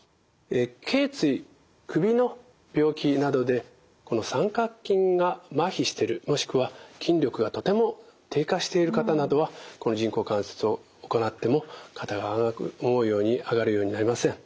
けい椎首の病気などでこの三角筋がまひしているもしくは筋力がとても低下している方などはこの人工関節を行っても肩が思うように上がるようになりません。